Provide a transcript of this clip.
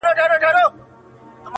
د جرګو ورته راتلله رپوټونه٫